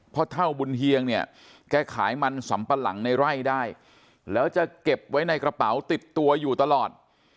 พ่อเท่าบุญเฮียงเนี่ยแกขายมันสำปะหลังในไร่ได้แล้วจะเก็บไว้ในกระเป๋าติดตัวอยู่ตลอด